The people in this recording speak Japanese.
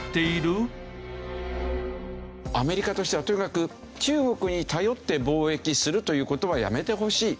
アメリカとしてはとにかく中国に頼って貿易するという事はやめてほしい。